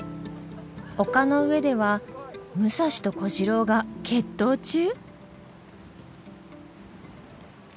丘の上では武蔵と小次郎が決闘中！？